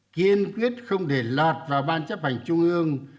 kiên quyết không để lọt vào ban chấp hành trung ương